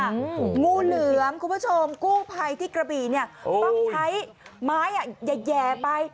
งูเหลือมคุณผู้ชมกู้ไภที่กระบีต้องใช้ไม้แย่ไป